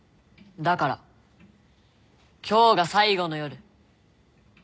だから今日が最後の夜。